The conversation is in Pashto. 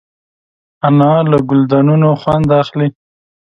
انا له ګلدانونو خوند اخلي